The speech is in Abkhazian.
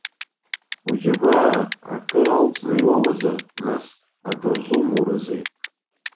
Уџьабаа акыр алҵны иуоуазар, нас акырзумурызеи.